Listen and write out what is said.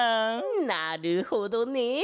なるほどね！